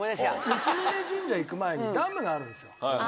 三峯神社行く前にダムがあるんですよ。